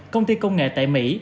công ty công nghệ tại mỹ